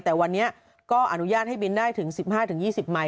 แต่วันนี้ก็อนุญาตให้บินได้ถึง๑๕๒๐ไมค